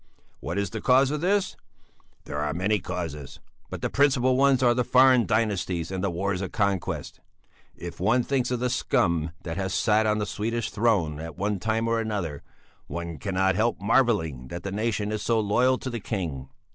"What is the cause of this? There are many causes, but the principal ones are the foreign dynasties and the wars of conquest. If one thinks of all the scum that has sat on the Swedish throne at one time or another, one cannot help marvelling that the nation is so loyal to the king.